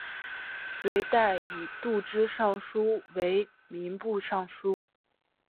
隋代以度支尚书为民部尚书。